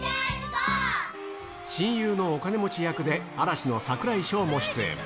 親友のお金持ち役で嵐の櫻井翔も出演。